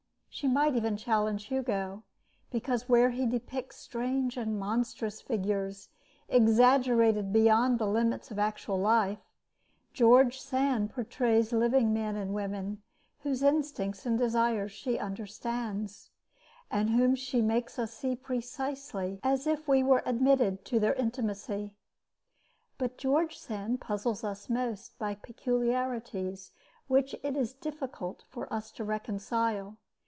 She might even challenge Hugo, because where he depicts strange and monstrous figures, exaggerated beyond the limits of actual life, George Sand portrays living men and women, whose instincts and desires she understands, and whom she makes us see precisely as if we were admitted to their intimacy. But George Sand puzzles us most by peculiarities which it is difficult for us to reconcile.